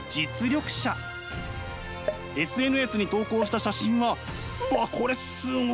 ＳＮＳに投稿した写真はうわっこれすごい！